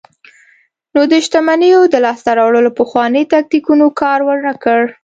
نو د شتمنیو د لاسته راوړلو پخوانیو تاکتیکونو کار ورنکړ.